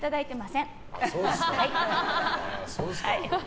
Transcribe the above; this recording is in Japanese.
そうですか。